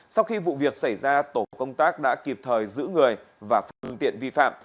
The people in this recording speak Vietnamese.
sau khi vụ việc xảy ra tổ công tác đã kịp thời giữ người và phương tiện vi phạm